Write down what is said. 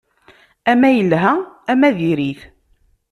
Ama yelha ama diri-t.